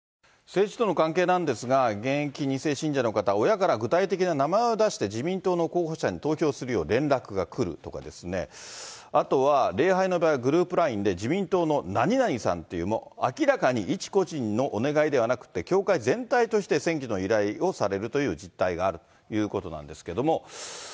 政治との関係なんですが、現役２世信者の方、親から具体的な名前を出して自民党の候補者に投票するよう連絡が来るとかですね、あとは、礼拝の場やグループラインで自民党の何々さんっていう、もう明らかに一個人のお願いではなくて、教会全体として選挙の依頼をされるという実態があるということなんですけれども。